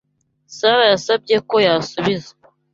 Sara yasabye ko yasubizwa.